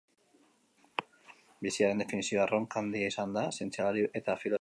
Biziaren definizioa erronka handia izan da zientzialari eta filosofoentzat